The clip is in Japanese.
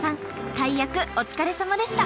大役お疲れさまでした！